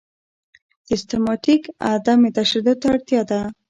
سیستماتیک عدم تشدد ته اړتیا ده.